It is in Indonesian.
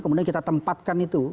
kemudian kita tempatkan itu